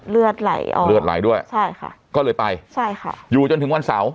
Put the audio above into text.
เลือดไหลออกเลือดไหลด้วยใช่ค่ะก็เลยไปใช่ค่ะอยู่จนถึงวันเสาร์